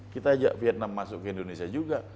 kita ajak vietnam masuk ke indonesia juga